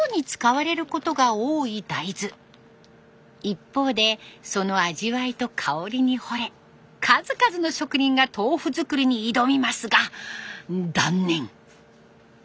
一方でその味わいと香りにほれ数々の職人が豆腐作りに挑みますが断念。